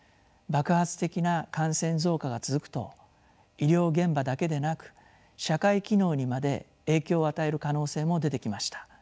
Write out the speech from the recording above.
爆発的な感染増加が続くと医療現場だけでなく社会機能にまで影響を与える可能性も出てきました。